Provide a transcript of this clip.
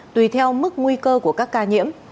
tùy theo mức nguy cơ của các ca nhiễm